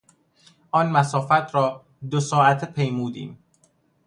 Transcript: آن مسافت را دو ساعته پیمودیم.